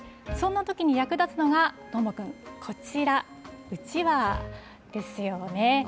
そんなときに役立つのが、どーもくん、こちら、うちわですよね。